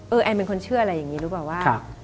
เออแอนน์เป็นคนเชื่ออะไรอย่างนี้รู้ปะว่า